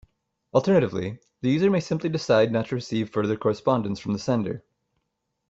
Alternatively, the user may simply decide not to receive further correspondence from the sender.